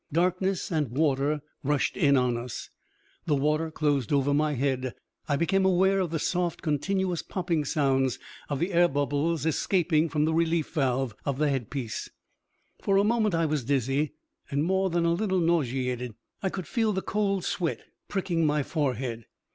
Darkness and water rushed in on us. The water closed over my head. I became aware of the soft, continuous popping sounds of the air bubbles escaping from the relief valve of the head piece. For a moment I was dizzy and more than a little nauseated. I could feel the cold sweat pricking my forehead.